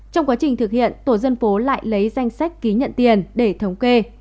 trong quá trình thực hiện tổ dân phố lại lấy danh sách ký nhận tiền để thống kê